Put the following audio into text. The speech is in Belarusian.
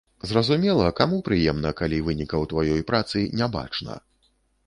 Зразумела, каму прыемна, калі вынікаў тваёй працы не бачна.